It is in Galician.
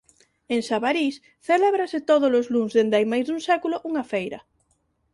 En Sabarís celébrase tódolos luns dende hai máis dun século unha feira.